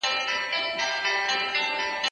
ته له چا سره خبري کوې!.